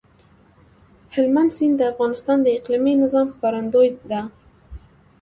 هلمند سیند د افغانستان د اقلیمي نظام ښکارندوی ده.